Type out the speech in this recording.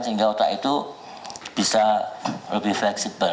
sehingga otak itu bisa lebih fleksibel